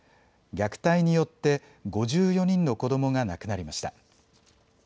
虐待によって５４人の子どもが亡くなりました。